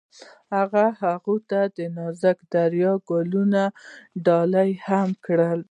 هغه هغې ته د نازک دریا ګلان ډالۍ هم کړل.